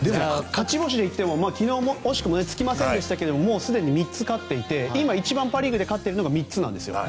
勝ち星で言っても昨日惜しくもつきませんでしたがもうすでに３つ勝っていて今一番パ・リーグで勝っているのは３つなんですよ。